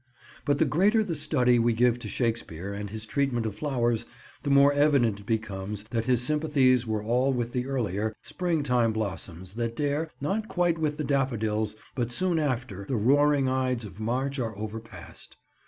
But the greater the study we give to Shakespeare and his treatment of flowers, the more evident it becomes that his sympathies were all with the earlier, springtime blossoms that dare, not quite with the daffodils, but soon after the roaring ides of March are overpast.